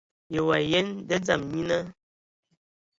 Yi wa yen nda dzama nyina?